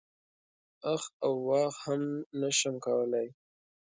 اخ او واخ هم نه شم کولای.